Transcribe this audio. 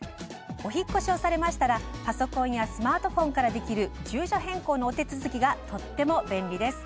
お引っ越しをされましたらパソコンやスマートフォンからできる住所変更のお手続きがとっても便利です。